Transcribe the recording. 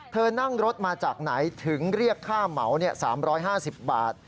เธอนั่งรถมาจากไหนถึงเรียกค่าเหมา๓๕๐บาท